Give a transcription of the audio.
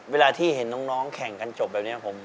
เวลาที่เห็นน้องแข่งกันจบแบบนี้